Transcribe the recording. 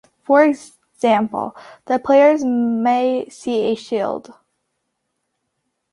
For example, the player may see a shield.